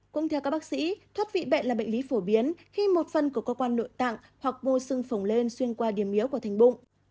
cũng theo các bác sĩ thuốc vị bệnh là bệnh lý phổ biến khi một phần của cơ quan nội tạng hoặc vô sưng phổng lên xuyên qua điểm yếu của thành bụng